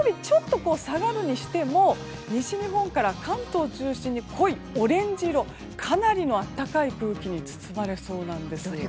ちょっと下がるにしても西日本から関東中心に濃いオレンジ色、かなり暖かい空気に包まれそうなんです。